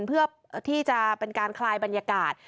เพื่อที่จะเป็นการคลายบรรยากาศ